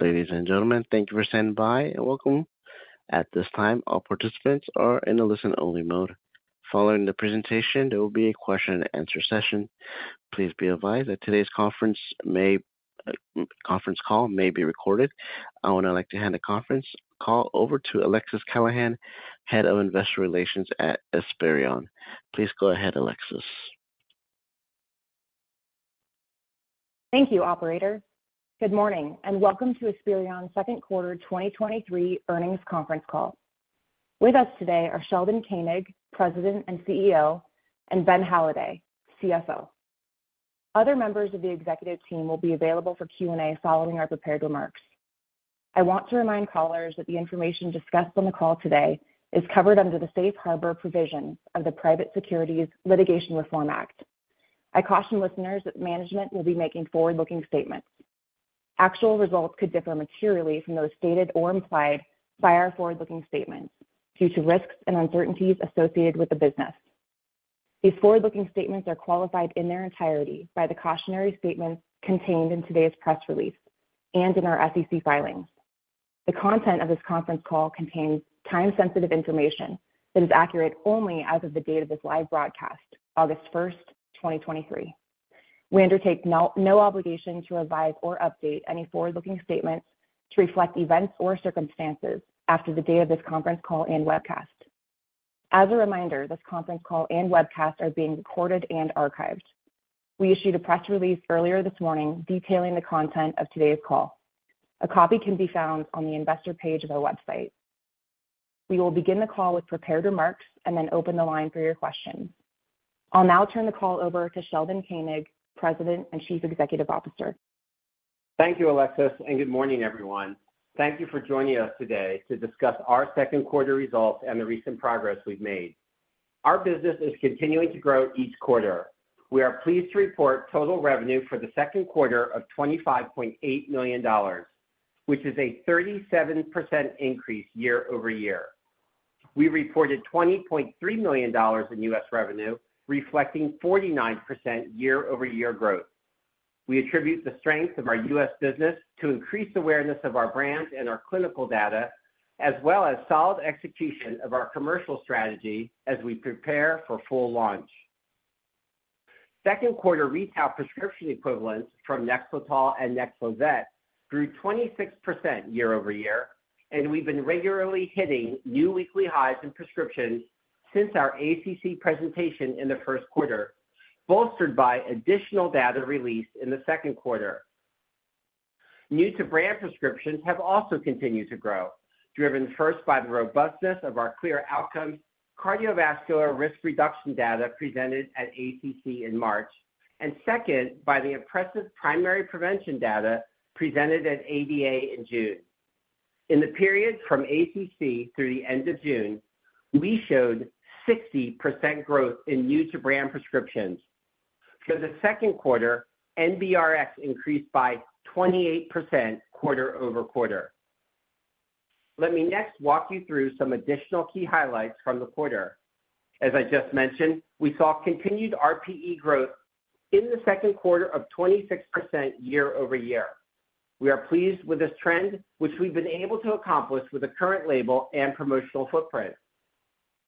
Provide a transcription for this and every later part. Ladies and gentlemen, thank you for standing by, and welcome. At this time, all participants are in a listen-only mode. Following the presentation, there will be a question-and-answer session. Please be advised that today's conference call may be recorded. I would now like to hand the conference call over to Alexis Callahan, Head of Investor Relations at Esperion. Please go ahead, Alexis. Thank you, operator. Good morning. Welcome to Esperion's second quarter 2023 Earnings Conference Call. With us today are Sheldon Koenig, President and CEO, and Ben Halladay, CFO. Other members of the executive team will be available for Q&A following our prepared remarks. I want to remind callers that the information discussed on the call today is covered under the safe harbor provisions of the Private Securities Litigation Reform Act. I caution listeners that management will be making forward-looking statements. Actual results could differ materially from those stated or implied by our forward-looking statements due to risks and uncertainties associated with the business. These forward-looking statements are qualified in their entirety by the cautionary statements contained in today's press release and in our SEC filings. The content of this conference call contains time-sensitive information that is accurate only as of the date of this live broadcast, 1 August 2023. We undertake no, no obligation to revise or update any forward-looking statements to reflect events or circumstances after the date of this conference call and webcast. As a reminder, this conference call and webcast are being recorded and archived. We issued a press release earlier this morning detailing the content of today's call. A copy can be found on the investor page of our website. We will begin the call with prepared remarks and then open the line for your questions. I'll now turn the call over to Sheldon Koenig, President and Chief Executive Officer. Thank you, Alexis. Good morning, everyone. Thank you for joining us today to discuss our second quarter results and the recent progress we've made. Our business is continuing to grow each quarter. We are pleased to report total revenue for the second quarter of $25.8 million, which is a 37% increase year-over-year. We reported $20.3 million in U.S. revenue, reflecting 49% year-over-year growth. We attribute the strength of our U.S. business to increased awareness of our brand and our clinical data, as well as solid execution of our commercial strategy as we prepare for full launch. Second quarter retail prescription equivalents from NEXLETOL and NEXLIZET grew 26% year-over-year, and we've been regularly hitting new weekly highs in prescriptions since our ACC presentation in the first quarter, bolstered by additional data released in the second quarter. New-to-brand prescriptions have also continued to grow, driven first by the robustness of our CLEAR Outcomes cardiovascular risk reduction data presented at ACC in March, and second by the impressive primary prevention data presented at ADA in June. In the period from ACC through the end of June, we showed 60% growth in new-to-brand prescriptions. For the second quarter, NBRX increased by 28% quarter-over-quarter. Let me next walk you through some additional key highlights from the quarter. As I just mentioned, we saw continued RPE growth in the second quarter of 26% year-over-year. We are pleased with this trend, which we've been able to accomplish with the current label and promotional footprint.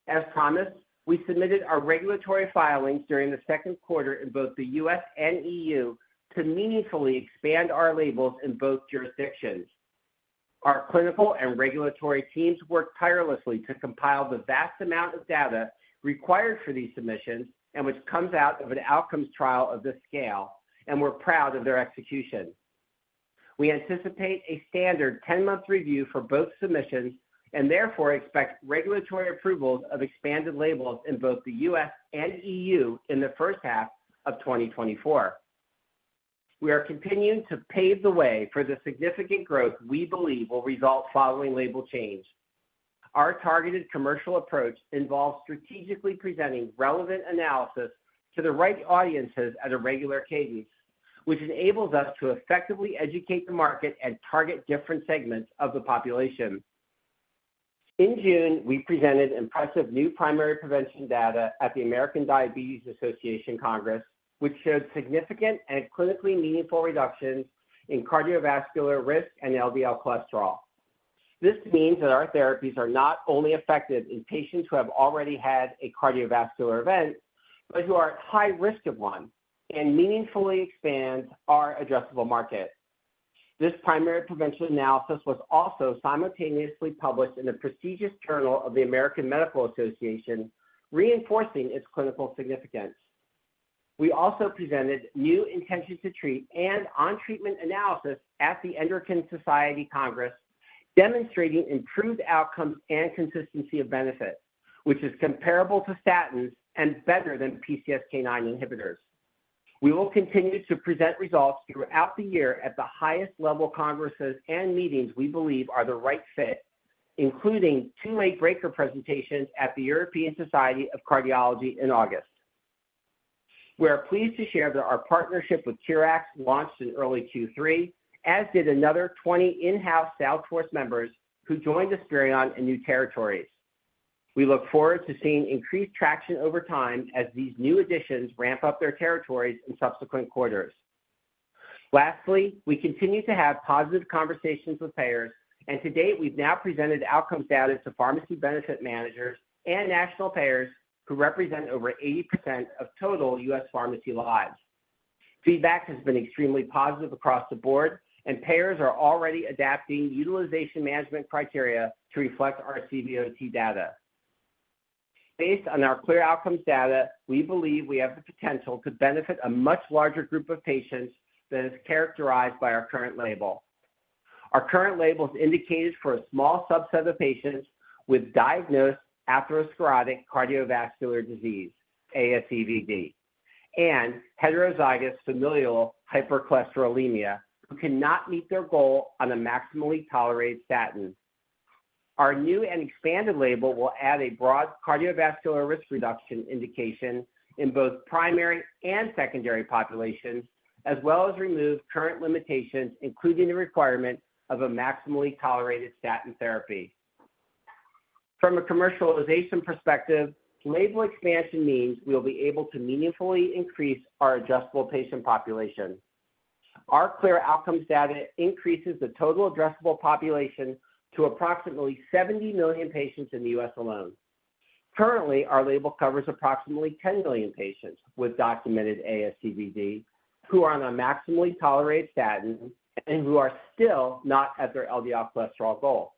As promised, we submitted our regulatory filings during the second quarter in both the US and EU to meaningfully expand our labels in both jurisdictions. Our clinical and regulatory teams worked tirelessly to compile the vast amount of data required for these submissions, which comes out of an outcomes trial of this scale, and we're proud of their execution. We anticipate a standard 10-month review for both submissions and therefore expect regulatory approvals of expanded labels in both the US and EU in the first half of 2024. We are continuing to pave the way for the significant growth we believe will result following label change. Our targeted commercial approach involves strategically presenting relevant analysis to the right audiences at a regular cadence, which enables us to effectively educate the market and target different segments of the population. In June, we presented impressive new primary prevention data at the American Diabetes Association Congress, which showed significant and clinically meaningful reductions in cardiovascular risk and LDL cholesterol. This means that our therapies are not only effective in patients who have already had a cardiovascular event, but who are at high risk of one, and meaningfully expands our addressable market. This primary prevention analysis was also simultaneously published in a prestigious journal of the American Medical Association, reinforcing its clinical significance. We also presented new intention to treat and on-treatment analysis at the Endocrine Society Congress, demonstrating improved outcomes and consistency of benefit, which is comparable to statins and better than PCSK9 inhibitors. We will continue to present results throughout the year at the highest level congresses and meetings we believe are the right fit, including two late-breaker presentations at the European Society of Cardiology in August. We are pleased to share that our partnership with Curoso launched in early Q3, as did another 20 in-house sales force members who joined Esperion in new territories. We look forward to seeing increased traction over time as these new additions ramp up their territories in subsequent quarters. Lastly, we continue to have positive conversations with payers, and to date, we've now presented outcomes data to pharmacy benefit managers and national payers who represent over 80% of total US pharmacy lives. Feedback has been extremely positive across the board, and payers are already adapting utilization management criteria to reflect our CVOT data. Based on our CLEAR Outcomes data, we believe we have the potential to benefit a much larger group of patients than is characterized by our current label. Our current label is indicated for a small subset of patients with diagnosed atherosclerotic cardiovascular disease, ASCVD, and heterozygous familial hypercholesterolemia, who cannot meet their goal on a maximally tolerated statin. Our new and expanded label will add a broad cardiovascular risk reduction indication in both primary and secondary populations, as well as remove current limitations, including the requirement of a maximally tolerated statin therapy. From a commercialization perspective, label expansion means we will be able to meaningfully increase our addressable patient population. Our CLEAR Outcomes data increases the total addressable population to approximately 70 million patients in the U.S. alone. Currently, our label covers approximately 10 million patients with documented ASCVD who are on a maximally tolerated statin and who are still not at their LDL cholesterol goal.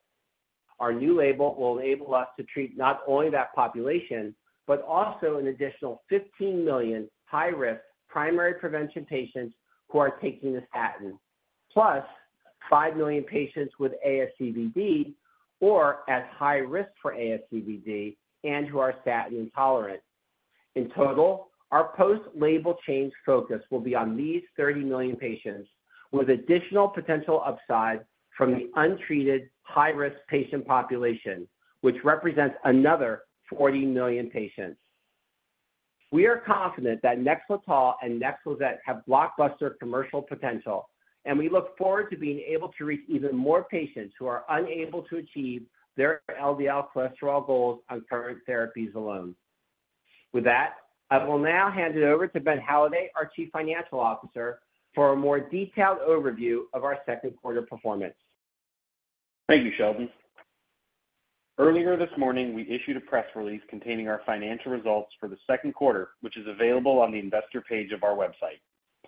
Our new label will enable us to treat not only that population, but also an additional 15 million high-risk primary prevention patients who are taking a statin, plus 5 million patients with ASCVD or at high risk for ASCVD and who are statin intolerant. In total, our post-label change focus will be on these 30 million patients, with additional potential upside from the untreated high-risk patient population, which represents another 40 million patients. We are confident that NEXLETOL and NEXLIZET have blockbuster commercial potential, and we look forward to being able to reach even more patients who are unable to achieve their LDL cholesterol goals on current therapies alone. With that, I will now hand it over to Ben Halladay, our Chief Financial Officer, for a more detailed overview of our second quarter performance. Thank you, Sheldon. Earlier this morning, we issued a press release containing our financial results for the second quarter, which is available on the investor page of our website.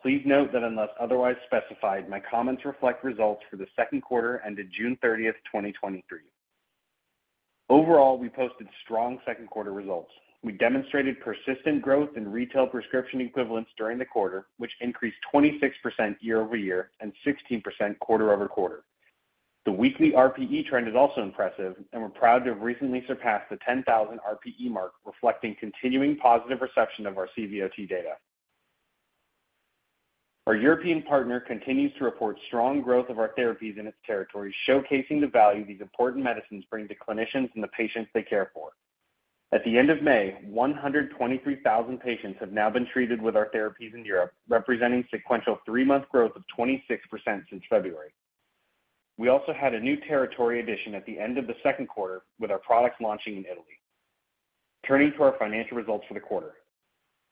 Please note that unless otherwise specified, my comments reflect results for the second quarter ended 30 June 2023. Overall, we posted strong second quarter results. We demonstrated persistent growth in retail prescription equivalents during the quarter, which increased 26% year-over-year and 16% quarter-over-quarter. The weekly RPE trend is also impressive, and we're proud to have recently surpassed the 10,000 RPE mark, reflecting continuing positive reception of our CVOT data. Our European partner continues to report strong growth of our therapies in its territory, showcasing the value these important medicines bring to clinicians and the patients they care for. At the end of May, 123,000 patients have now been treated with our therapies in Europe, representing sequential three-month growth of 26% since February. We also had a new territory addition at the end of the second quarter with our products launching in Italy. Turning to our financial results for the quarter.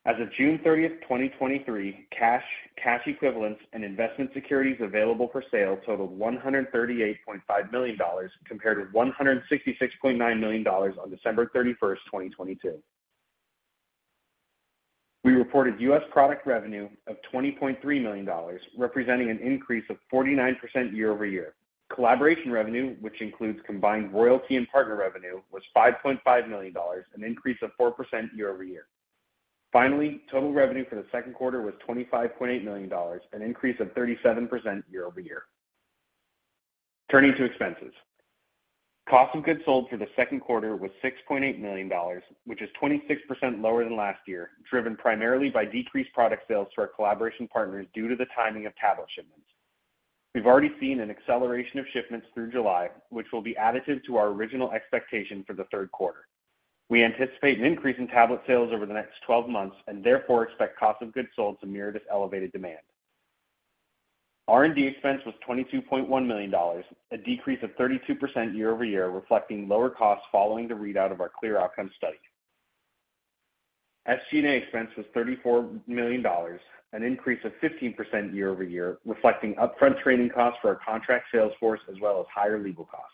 As of June 30th, 2023, cash, cash equivalents, and investment securities available for sale totaled $138.5 million, compared to $166.9 million on December 31st, 2022. We reported U.S. product revenue of $20.3 million, representing an increase of 49% year-over-year. Collaboration revenue, which includes combined royalty and partner revenue, was $5.5 million, an increase of 4% year-over-year. Finally, total revenue for the second quarter was $25.8 million, an increase of 37% year-over-year. Turning to expenses. Cost of goods sold for the second quarter was $6.8 million, which is 26% lower than last year, driven primarily by decreased product sales to our collaboration partners due to the timing of tablet shipments. We've already seen an acceleration of shipments through July, which will be additive to our original expectation for the third quarter. We anticipate an increase in tablet sales over the next 12 months, and therefore expect cost of goods sold to mirror this elevated demand. R&D expense was $22.1 million, a decrease of 32% year-over-year, reflecting lower costs following the readout of our CLEAR Outcomes study. SG&A expense was $34 million, an increase of 15% year-over-year, reflecting upfront training costs for our contract sales force, as well as higher legal costs.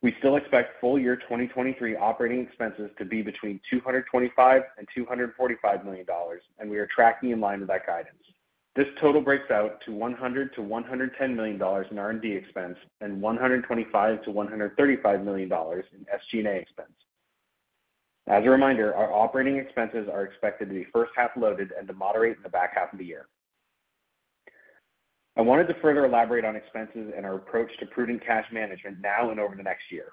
We still expect full year 2023 operating expenses to be between $225 million and $245 million, and we are tracking in line with that guidance. This total breaks out to $100 million to $110 million in R&D expense and $125 million to $135 million in SG&A expense. As a reminder, our operating expenses are expected to be first half loaded and to moderate in the back half of the year. I wanted to further elaborate on expenses and our approach to prudent cash management now and over the next year.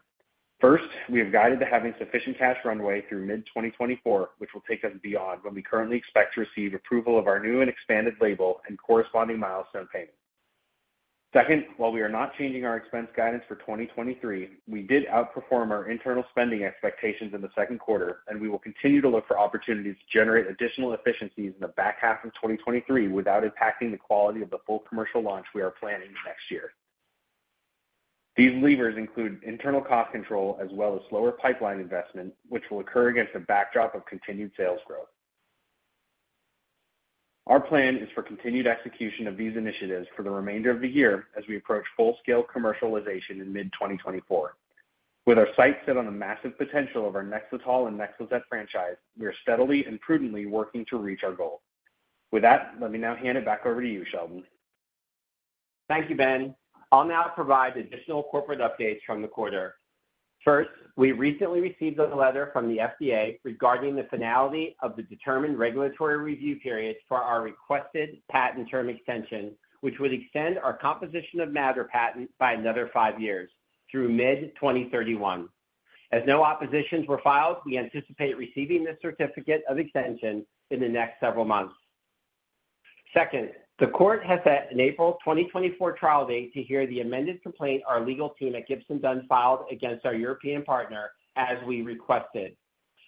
First, we have guided to having sufficient cash runway through mid-2024, which will take us beyond when we currently expect to receive approval of our new and expanded label and corresponding milestone payment. Second, while we are not changing our expense guidance for 2023, we did outperform our internal spending expectations in the second quarter, and we will continue to look for opportunities to generate additional efficiencies in the back half of 2023 without impacting the quality of the full commercial launch we are planning next year. These levers include internal cost control as well as lower pipeline investment, which will occur against a backdrop of continued sales growth. Our plan is for continued execution of these initiatives for the remainder of the year as we approach full-scale commercialization in mid-2024. With our sights set on the massive potential of our NEXLETOL and NEXLIZET franchise, we are steadily and prudently working to reach our goal. With that, let me now hand it back over to you, Sheldon. Thank you, Ben. I'll now provide additional corporate updates from the quarter. First, we recently received a letter from the FDA regarding the finality of the determined regulatory review period for our requested patent term extension, which would extend our composition of matter patent by another five years, through mid-2031. As no oppositions were filed, we anticipate receiving this certificate of extension in the next several months. Second, the court has set an April 2024 trial date to hear the amended complaint our legal team at Gibson Dunn filed against our European partner, as we requested.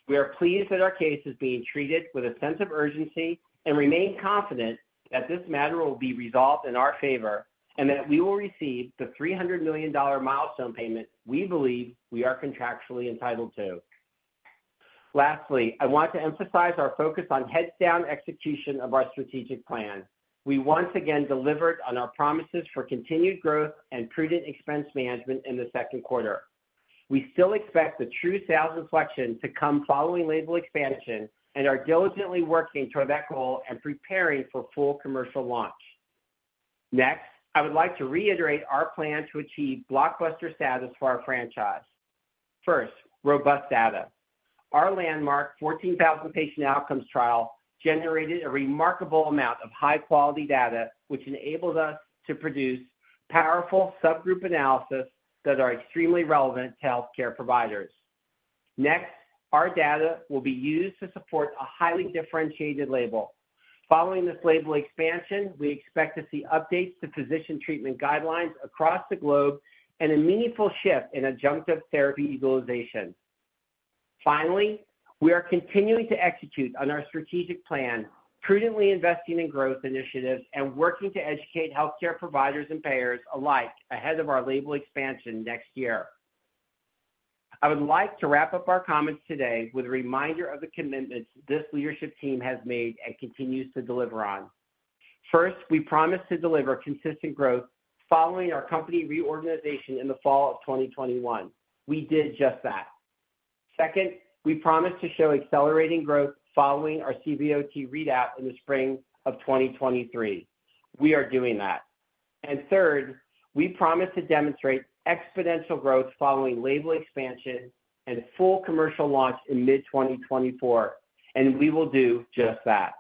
We are pleased that our case is being treated with a sense of urgency and remain confident that this matter will be resolved in our favor and that we will receive the $300 million milestone payment we believe we are contractually entitled to. Lastly, I want to emphasize our focus on heads-down execution of our strategic plan. We once again delivered on our promises for continued growth and prudent expense management in the second quarter. We still expect the true sales inflection to come following label expansion and are diligently working toward that goal and preparing for full commercial launch. I would like to reiterate our plan to achieve blockbuster status for our franchise. First, robust data. Our landmark 14,000 patient outcomes trial generated a remarkable amount of high-quality data, which enabled us to produce powerful subgroup analysis that are extremely relevant to healthcare providers. Our data will be used to support a highly differentiated label. Following this label expansion, we expect to see updates to physician treatment guidelines across the globe and a meaningful shift in adjunctive therapy utilization. Finally, we are continuing to execute on our strategic plan, prudently investing in growth initiatives and working to educate healthcare providers and payers alike ahead of our label expansion next year. I would like to wrap up our comments today with a reminder of the commitments this leadership team has made and continues to deliver on. First, we promised to deliver consistent growth following our company reorganization in the fall of 2021. We did just that. Second, we promised to show accelerating growth following our CVOT readout in the spring of 2023. We are doing that. Third, we promised to demonstrate exponential growth following label expansion and full commercial launch in mid-2024, and we will do just that.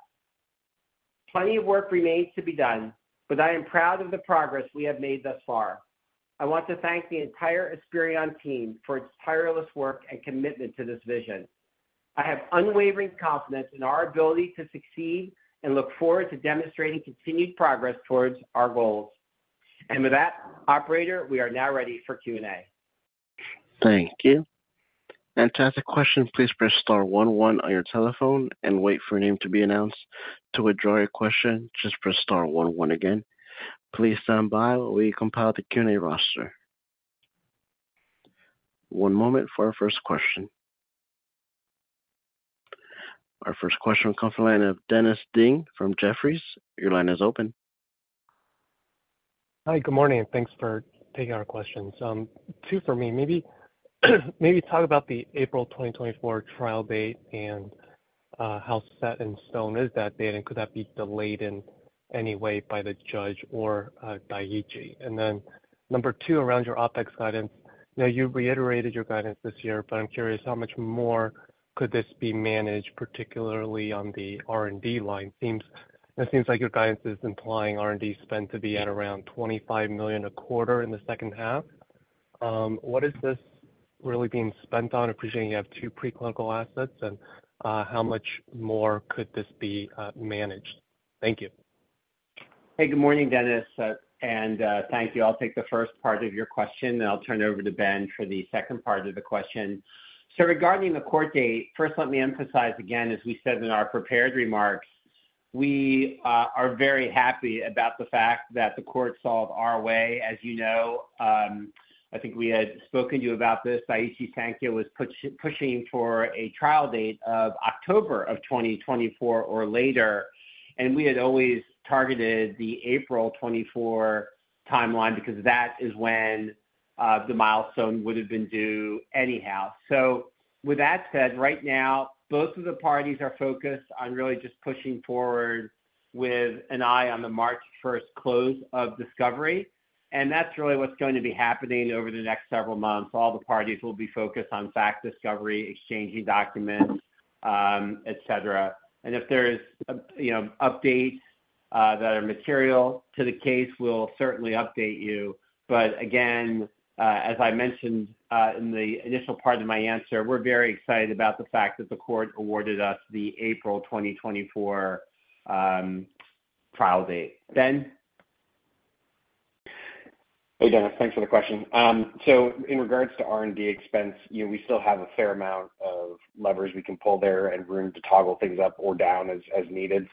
Plenty of work remains to be done, but I am proud of the progress we have made thus far. I want to thank the entire Esperion team for its tireless work and commitment to this vision. I have unwavering confidence in our ability to succeed and look forward to demonstrating continued progress towards our goals. With that, operator, we are now ready for Q&A. Thank you. To ask a question, please press star one one on your telephone and wait for your name to be announced. To withdraw your question, just press star one one again. Please stand by while we compile the Q&A roster. One moment for our first question. Our first question comes from the line of Dennis Ding from Jefferies. Your line is open. Hi, good morning, thanks for taking our questions two for me. Maybe, maybe talk about the April 2024 trial date, how set in stone is that date, and could that be delayed in any way by the judge or by Eisai? Number two, around your OpEx guidance. I know you've reiterated your guidance this year, I'm curious, how much more could this be managed, particularly on the R&D line? It seems like your guidance is implying R&D spend to be at around $25 million a quarter in the second half. What is this really being spent on, appreciating you have two preclinical assets, how much more could this be managed? Thank you. Hey, good morning, Dennis, and thank you. I'll take the first part of your question, and I'll turn it over to Ben for the second part of the question. Regarding the court date, first, let me emphasize again, as we said in our prepared remarks, we are very happy about the fact that the court saw it our way. As you know, I think we had spoken to you about this, Daiichi Sankyo was push-pushing for a trial date of October 2024 or later, and we had always targeted the April 2024 timeline because that is when the milestone would have been due anyhow. With that said, right now, both of the parties are focused on really just pushing forward with an eye on the March 1st close of discovery. That's really what's going to be happening over the next several months. All the parties will be focused on fact discovery, exchanging documents, et cetera. If there's, you know, updates that are material to the case, we'll certainly update you. Again, as I mentioned, in the initial part of my answer, we're very excited about the fact that the court awarded us the April 2024 trial date. Ben? Hey, Dennis, thanks for the question. In regards to R&D expense, you know, we still have a fair amount of levers we can pull there and room to toggle things up or down as, as needed.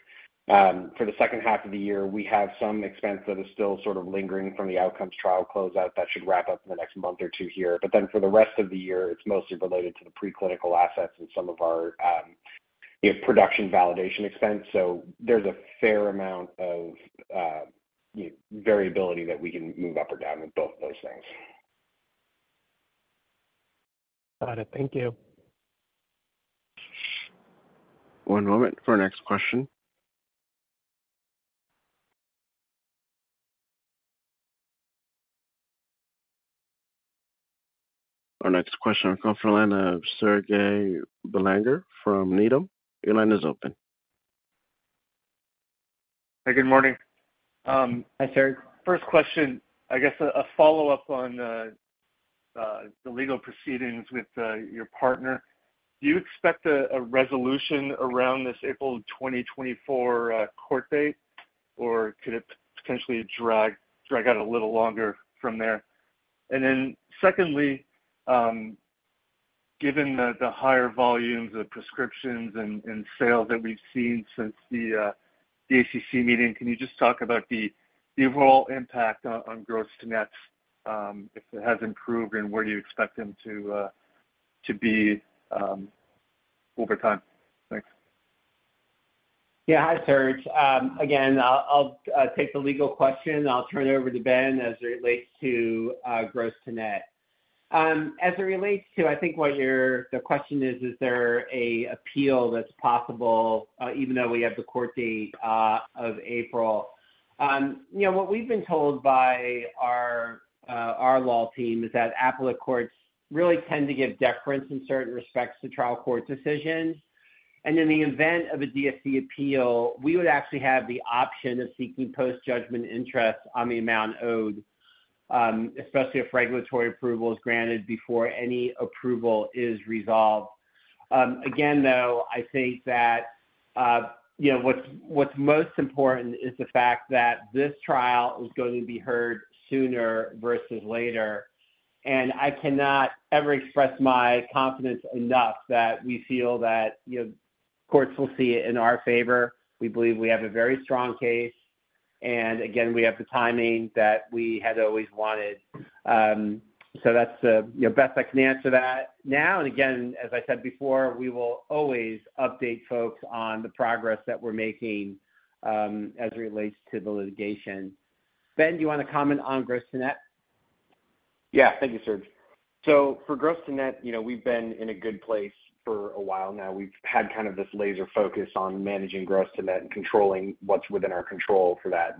For the second half of the year, we have some expense that is still sort of lingering from the outcomes trial closeout. That should wrap up in the next month or two here. For the rest of the year, it's mostly related to the preclinical assets and some of our production validation expense. There's a fair amount of variability that we can move up or down with both of those things. Got it. Thank you. One moment for our next question. Our next question will come from the line of Serge Belanger from Needham. Your line is open. Hi, good morning. Hi, Serge. First question, I guess a follow-up on the legal proceedings with your partner. Do you expect a resolution around this April 2024 court date, or could it potentially drag out a little longer from there? Secondly, given the higher volumes of prescriptions and sales that we've seen since the ACC meeting, can you just talk about the overall impact on gross to net, if it has improved, and where do you expect them to be over time? Thanks. Yeah, hi, Serge. Again, I'll, I'll take the legal question. I'll turn it over to Ben as it relates to gross to net. As it relates to, I think the question is, is there a appeal that's possible, even though we have the court date of April? You know, what we've been told by our law team is that appellate courts really tend to give deference in certain respects to trial court decisions. In the event of a DFC appeal, we would actually have the option of seeking post-judgment interest on the amount owed, especially if regulatory approval is granted before any approval is resolved. Again, though, I think that, you know what's most important is the fact that this trial is going to be heard sooner versus later, and I cannot ever express my confidence enough that we feel that, you know, courts will see it in our favor. We believe we have a very strong case, and again, we have the timing that we had always wanted. That's the, you know, best I can answer that. Now, and again, as I said before, we will always update folks on the progress that we're making, as it relates to the litigation. Ben, do you want to comment on gross to net? Yeah. Thank you, Serge. For gross to net, you know, we've been in a good place for a while now. We've had kind of this laser focus on managing gross to net and controlling what's within our control for that.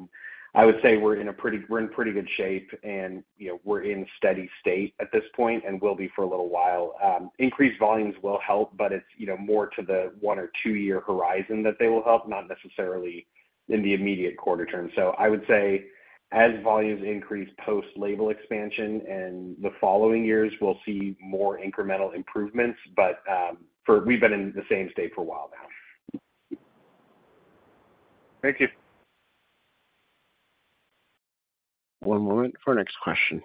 I would say we're in pretty good shape, and, you know, we're in steady state at this point and will be for a little while. Increased volumes will help, but it's, you know, more to the one or two-year horizon that they will help, not necessarily in the immediate quarter term. I would say, as volumes increase post-label expansion, in the following years, we'll see more incremental improvements, but we've been in the same state for a while now. Thank you. One moment for our next question.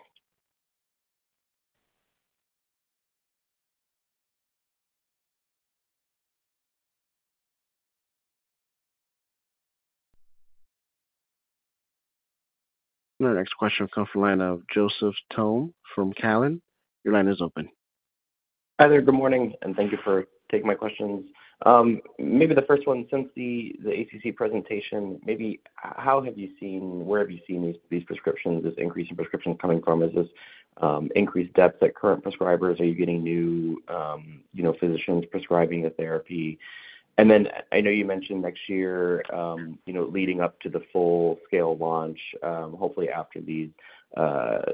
Our next question will come from the line of Joseph Thome from Cowen. Your line is open. Hi there, good morning, and thank you for taking my questions. Maybe the first one, since the ACC presentation, how have you seen, where have you seen these, these prescriptions, this increase in prescriptions coming from? Is this, increased depth at current prescribers? Are you getting new, you know, physicians prescribing the therapy? I know you mentioned next year, you know, leading up to the full-scale launch, hopefully after these,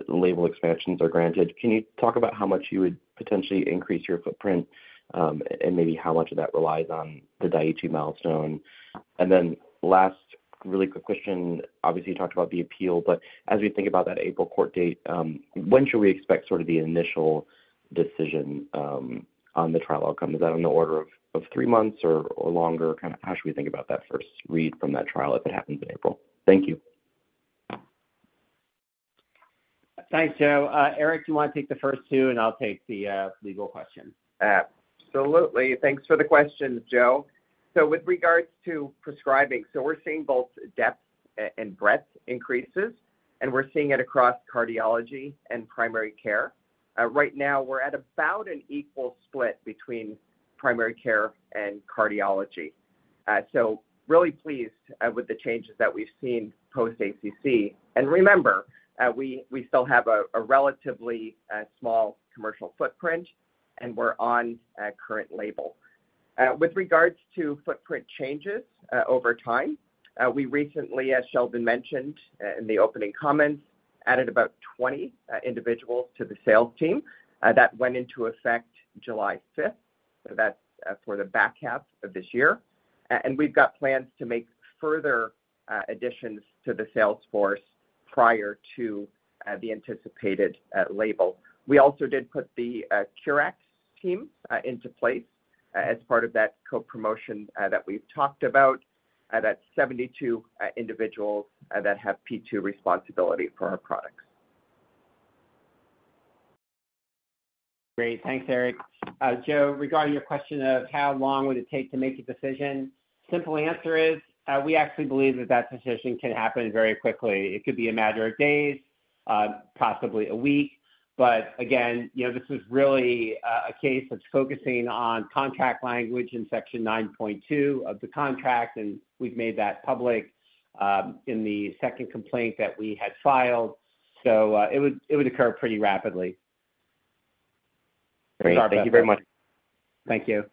label expansions are granted. Can you talk about how much you would potentially increase your footprint, and maybe how much of that relies on the Daiichi milestone? Last really quick question, obviously, you talked about the appeal, but as we think about that April court date, when should we expect sort of the initial decision, on the trial outcome? Is that on the order of, of three months or, or longer? Kind of how should we think about that first read from that trial if it happens in April? Thank you. Thanks, Joe. Eric, do you want to take the first two, and I'll take the legal question? Absolutely. Thanks for the questions, Joe. With regards to prescribing, we're seeing both depth and breadth increases, and we're seeing it across cardiology and primary care. Right now, we're at about an equal split between primary care and cardiology. Really pleased with the changes that we've seen post-ACC. Remember, we still have a relatively small commercial footprint, and we're on a current label. With regards to footprint changes over time, we recently, as Sheldon mentioned in the opening comments, added about 20 individuals to the sales team. That went into effect July fifth. That's for the back half of this year. And we've got plans to make further additions to the sales force prior to the anticipated label. We also did put the Curoso team into place as part of that co-promotion that we've talked about. That's 72 individuals that have P&L responsibility for our products. Great. Thanks, Eric. Joe, regarding your question of how long would it take to make a decision? Simple answer is, we actually believe that that decision can happen very quickly. It could be a matter of days, possibly a week. Again, you know, this is really a case that's focusing on contract language in Section 9.2 of the contract, and we've made that public in the second complaint that we had filed. It would, it would occur pretty rapidly. Great. Thank you very much. Thank you.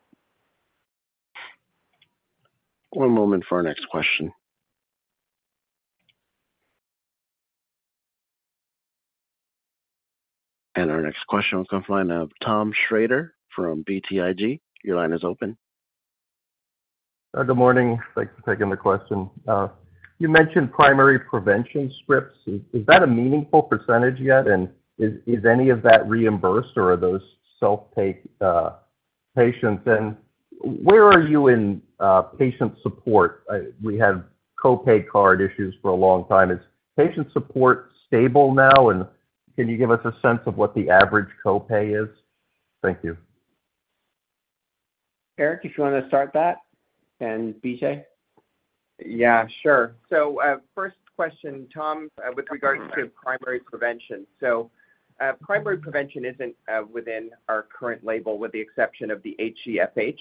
One moment for our next question. Our next question will come from the line of Thomas Shrader from BTIG. Your line is open. Good morning. Thanks for taking the question. You mentioned primary prevention scripts. Is that a meaningful percentage yet? Is any of that reimbursed or are those self-pay patients? Where are you in patient support? We had co-pay card issues for a long time. Is patient support stable now, and can you give us a sense of what the average co-pay is? Thank you. Eric, if you want to start that, and BJ? Yeah, sure. First question, Tom, with regards to primary prevention. Primary prevention isn't within our current label, with the exception of the HeFH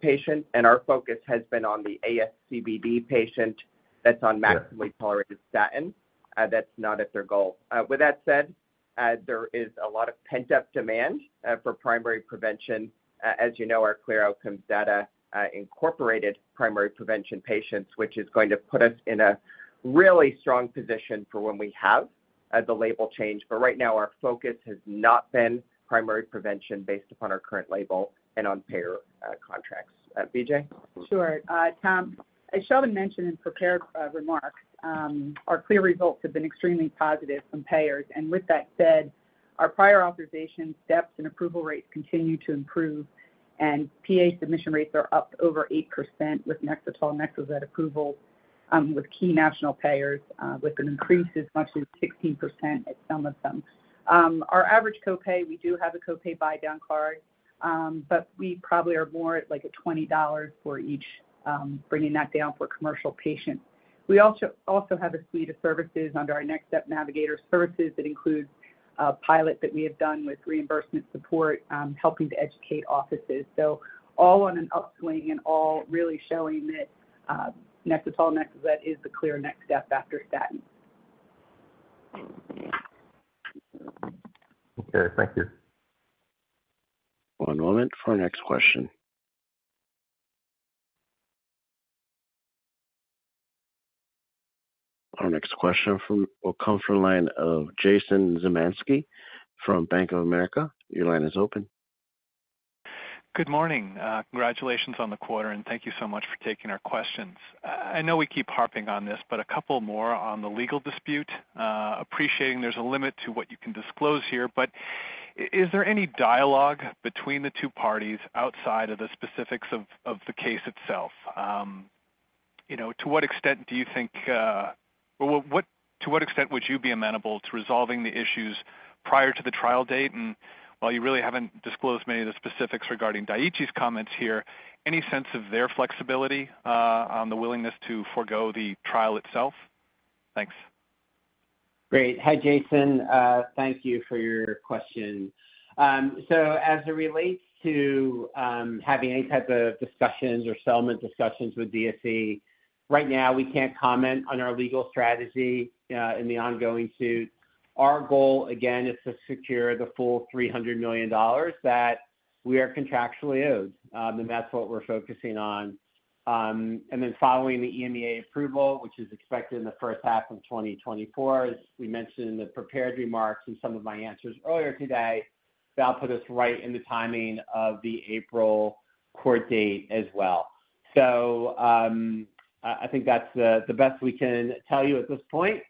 patient, and our focus has been on the ASCVD patient that's on maximally Sure Tolerated statin. That's not at their goal. With that said, there is a lot of pent-up demand for primary prevention. As you know, our CLEAR Outcomes data incorporated primary prevention patients, which is going to put us in a really strong position for when we have the label change. Right now, our focus has not been primary prevention based upon our current label and on payer contracts. BJ? Sure. Tom, as Sheldon mentioned in prepared remarks, our CLEAR results have been extremely positive from payers. With that said, our prior authorization depths and approval rates continue to improve, PA submission rates are up over 8% with NEXLETOL and NEXLIZET approval with key national payers, with an increase as much as 16% at some of them. Our average co-pay, we do have a co-pay buy-down card, but we probably are more at, like, a $20 for each, bringing that down for commercial patients. We also, also have a suite of services under our NEXSTEP Navigator services that includes a pilot that we have done with reimbursement support, helping to educate offices. All on an upswing and all really showing that NEXLETOL, NEXLIZET is the clear next step after statin. Okay. Thank you. One moment for our next question. Our next question will come from the line of Jason Zemansky from Bank of America. Your line is open. Good morning. Congratulations on the quarter, and thank you so much for taking our questions. I know we keep harping on this, but a couple more on the legal dispute. Appreciating there's a limit to what you can disclose here, but is there any dialogue between the two parties outside of the specifics of, of the case itself? You know, to what extent do you think, to what extent would you be amenable to resolving the issues prior to the trial date? While you really haven't disclosed many of the specifics regarding Daiichi's comments here, any sense of their flexibility on the willingness to forgo the trial itself? Thanks. Great. Hi, Jason. Thank you for your question. As it relates to having any type of discussions or settlement discussions with DSE, right now, we can't comment on our legal strategy in the ongoing suit. Our goal, again, is to secure the full $300 million that we are contractually owed, and that's what we're focusing on. Following the EMEA approval, which is expected in the first half of 2024, as we mentioned in the prepared remarks and some of my answers earlier today, that'll put us right in the timing of the April court date as well. I think that's the best we can tell you at this point.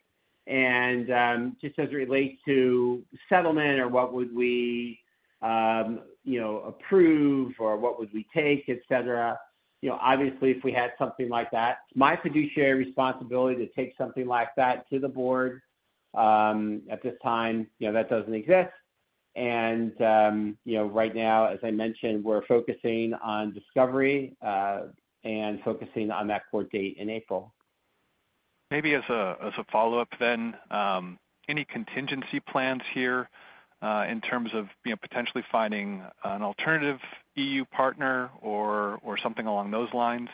Just as it relates to settlement or what would we, you know, approve or what would we take, et cetera, you know, obviously, if we had something like that, my fiduciary responsibility to take something like that to the board, at this time, you know, that doesn't exist. You know, right now, as I mentioned, we're focusing on discovery, and focusing on that court date in April. Maybe as a follow-up then, any contingency plans here, in terms of, you know, potentially finding an alternative EU partner or, or something along those lines?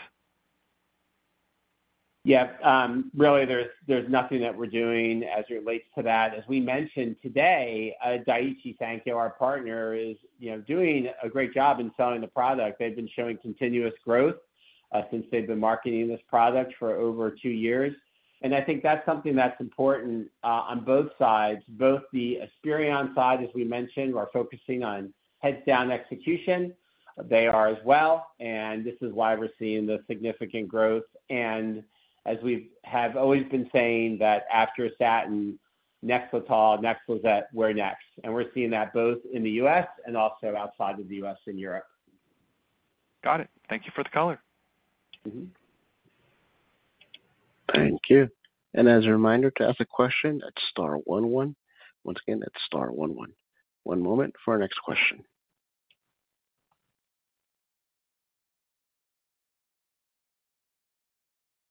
Yeah. Really, there's, there's nothing that we're doing as it relates to that. As we mentioned today, Daiichi Sankyo, our partner, is, you know, doing a great job in selling the product. They've been showing continuous growth since they've been marketing this product for over 2 years. I think that's something that's important on both sides. Both the Esperion side, as we mentioned, are focusing on heads down execution. They are as well, and this is why we're seeing the significant growth. As we have always been saying that after a statin, NEXLETOL, NEXLIZET, we're next. We're seeing that both in the US and also outside of the US and Europe. Got it. Thank you for the color. Thank you. As a reminder, to ask a question, that's star one one. Once again, that's star one one. One moment for our next question.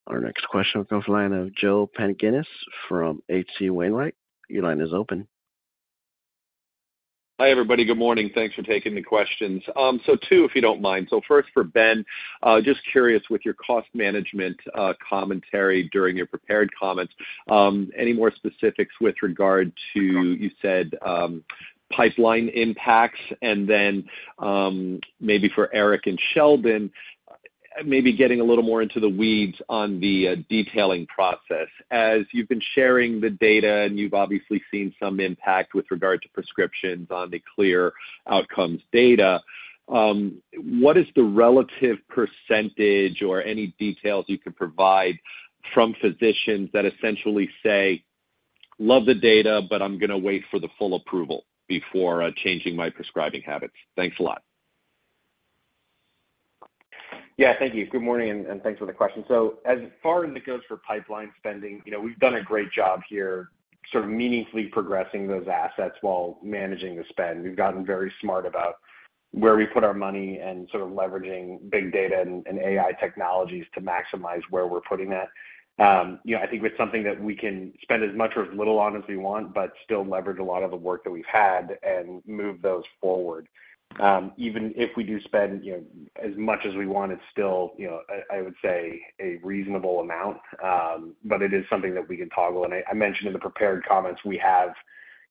Our next question comes from the line of Joseph Pantginis from H.C. Wainwright. Your line is open. Hi, everybody. Good morning. Thanks for taking the questions two, if you don't mind. First for Ben, just curious, with your cost management, commentary during your prepared comments, any more specifics with regard to, you said, pipeline impacts? Maybe for Eric and Sheldon, maybe getting a little more into the weeds on the detailing process. As you've been sharing the data, and you've obviously seen some impact with regard to prescriptions on the CLEAR Outcomes data, what is the relative percentage or any details you could provide from physicians that essentially say, "Love the data, but I'm gonna wait for the full approval before changing my prescribing habits"? Thanks a lot. Yeah, thank you. Good morning, and thanks for the question. As far as it goes for pipeline spending, you know, we've done a great job here, sort of meaningfully progressing those assets while managing the spend. We've gotten very smart about where we put our money and sort of leveraging big data and AI technologies to maximize where we're putting that. You know, I think it's something that we can spend as much or as little on as we want, but still leverage a lot of the work that we've had and move those forward. Even if we do spend, you know, as much as we want, it's still, you know, I would say, a reasonable amount, but it is something that we can toggle. I mentioned in the prepared comments, we have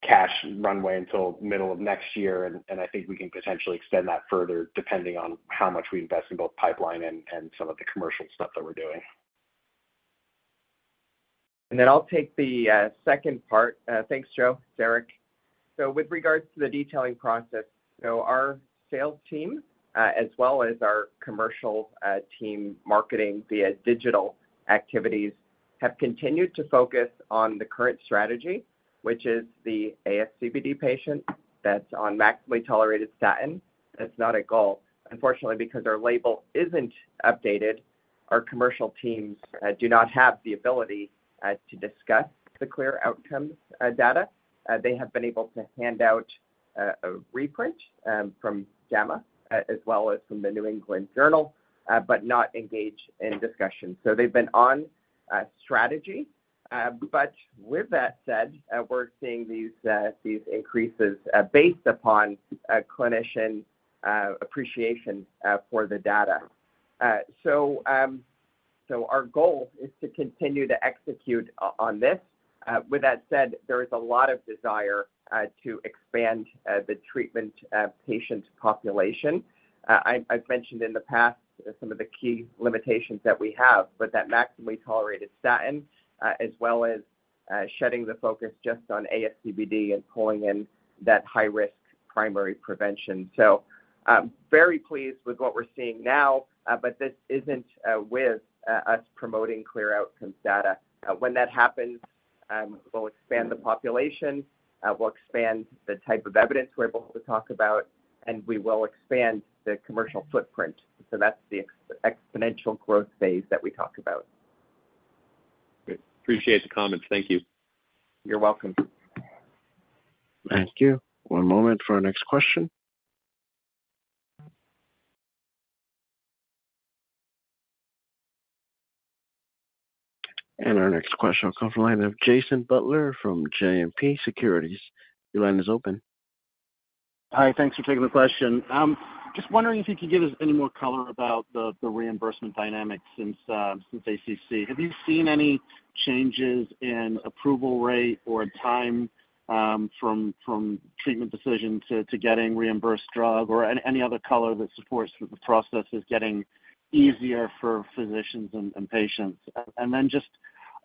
cash runway until middle of next year, and, and I think we can potentially extend that further, depending on how much we invest in both pipeline and, and some of the commercial stuff that we're doing. Then I'll take the second part. Thanks, Joe. It's Eric. With regards to the detailing process, our sales team, as well as our commercial team marketing via digital activities, have continued to focus on the current strategy, which is the ASCVD patient that's on maximally tolerated statin. That's not a goal. Unfortunately, because our label isn't updated, our commercial teams do not have the ability to discuss the CLEAR Outcomes data. They have been able to hand out a reprint from JAMA, as well as from The New England Journal of Medicine, but not engage in discussion. They've been on strategy. But with that said, we're seeing these increases based upon a clinician appreciation for the data. Our goal is to continue to execute on this. With that said, there is a lot of desire to expand the treatment patient population. I've mentioned in the past some of the key limitations that we have, but that maximally tolerated statin, as well as shedding the focus just on ASCVD and pulling in that high-risk primary prevention. Very pleased with what we're seeing now, but this isn't with us promoting CLEAR Outcomes data. When that happens, we'll expand the population, we'll expand the type of evidence we're able to talk about, and we will expand the commercial footprint. That's the exponential growth phase that we talked about. Great. Appreciate the comments. Thank you. You're welcome. Thank you. One moment for our next question. Our next question will come from the line of Jason Butler from JMP Securities. Your line is open. Hi, thanks for taking the question. Just wondering if you could give us any more color about the reimbursement dynamics since ACC. Have you seen any changes in approval rate or time, from treatment decision to getting reimbursed drug or any other color that supports the process is getting easier for physicians and patients? Then just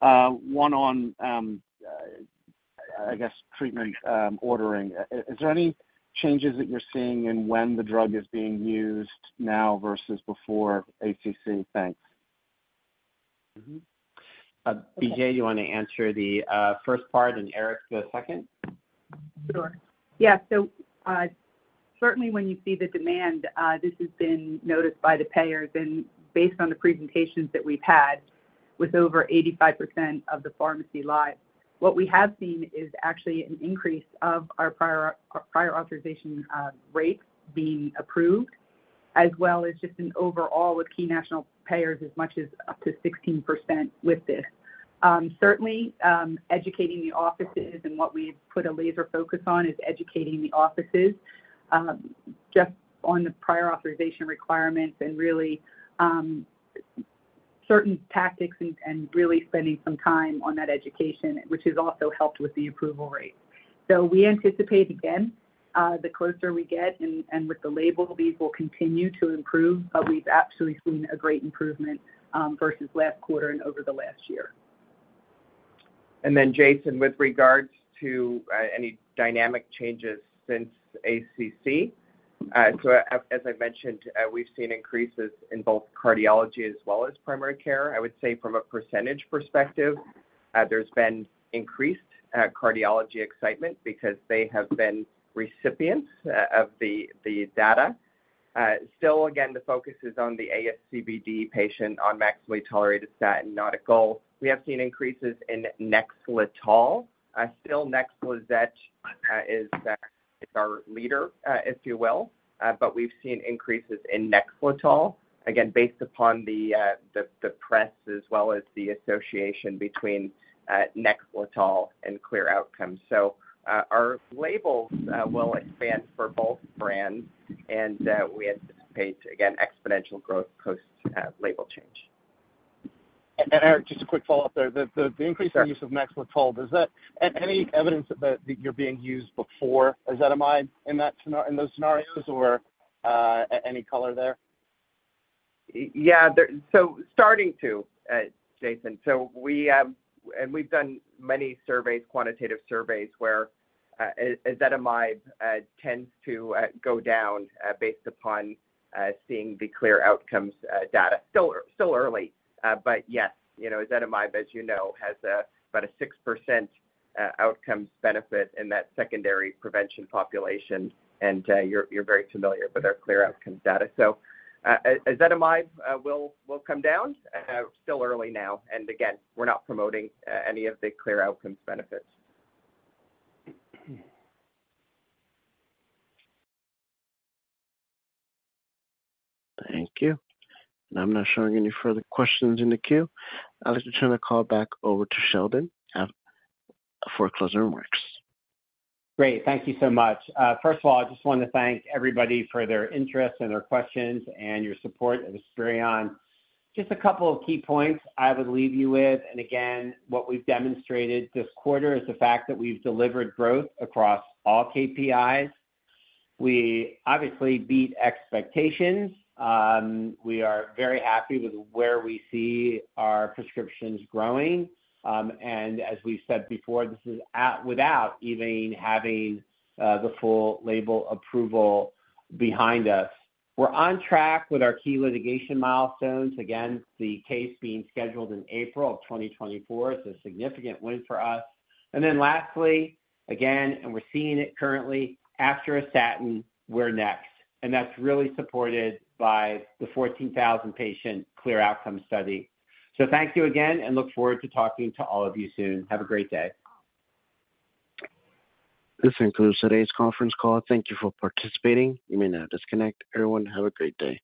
one on, I guess treatment ordering. Is there any changes that you're seeing in when the drug is being used now versus before ACC? Thanks. BJ, you wanna answer the first part, and Eric, the second? Sure. Yeah, certainly when you see the demand, this has been noticed by the payers. Based on the presentations that we've had, with over 85% of the pharmacy live, what we have seen is actually an increase of our prior prior authorization rates being approved, as well as just an overall with key national payers as much as up to 16% with this. Certainly, educating the offices and what we've put a laser focus on is educating the offices, just on the prior authorization requirements and really, certain tactics and, and really spending some time on that education, which has also helped with the approval rate. We anticipate, again, the closer we get and, and with the label, these will continue to improve, but we've absolutely seen a great improvement versus last quarter and over the last year. Jason, with regards to any dynamic changes since ACC, as I mentioned, we've seen increases in both cardiology as well as primary care. I would say from a percentage perspective, there's been increased cardiology excitement because they have been recipients of the data. Still, again, the focus is on the ASCVD patient on maximally tolerated statin, not a goal. We have seen increases in NEXLETOL. Still, NEXLIZET is our, is our leader, if you will. We've seen increases in NEXLETOL, again, based upon the press as well as the association between NEXLETOL and CLEAR Outcomes. Our labels will expand for both brands, we anticipate, again, exponential growth post label change. Eric, just a quick follow-up there. The, the, the increasing- Sure. use of NEXLETOL, Any evidence that, that you're being used before ezetimibe in those scenarios, or any color there? Yeah, there. Starting to, Jason. We, and we've done many surveys, quantitative surveys, where ezetimibe tends to go down based upon seeing the CLEAR Outcomes data. Still, still early, but yes, you know, ezetimibe, as you know, has about a 6% outcomes benefit in that secondary prevention population. You're very familiar with our CLEAR Outcomes data. Ezetimibe will come down. Still early now, and again, we're not promoting any of the CLEAR Outcomes benefits. Thank you. I'm not showing any further questions in the queue. I'd like to turn the call back over to Sheldon for closing remarks. Great. Thank you so much. First of all, I just want to thank everybody for their interest and their questions and your support of Esperion. Just a couple of key points I would leave you with, again, what we've demonstrated this quarter is the fact that we've delivered growth across all KPIs. We obviously beat expectations. We are very happy with where we see our prescriptions growing. As we've said before, this is without even having the full label approval behind us. We're on track with our key litigation milestones. Again, the case being scheduled in April of 2024 is a significant win for us. Then lastly, again, and we're seeing it currently, after a statin, we're next, and that's really supported by the 14,000 patient CLEAR Outcomes study. Thank you again, and look forward to talking to all of you soon. Have a great day. This concludes today's conference call. Thank you for participating. You may now disconnect. Everyone, have a great day.